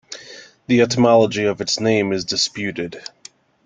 The etymology of its name is disputed.